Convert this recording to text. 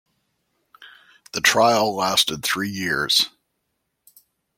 The trial lasted three years.